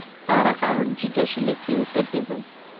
তাঁহারা কারণ জিজ্ঞাসিলে কি উত্তর দিব।